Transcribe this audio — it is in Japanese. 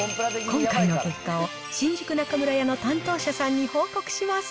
今回の結果を、新宿中村屋の担当者さんに報告します。